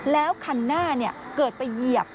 แล้วคันหน้าเกิดไปเหยียบ